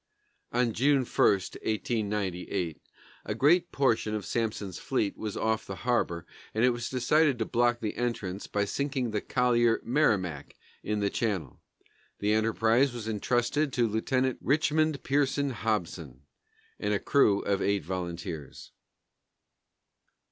On June 1, 1898, a great portion of Sampson's fleet was off the harbor, and it was decided to block the entrance by sinking the collier Merrimac in the channel. The enterprise was intrusted to Lieutenant Richmond Pearson Hobson, and a crew of eight volunteers.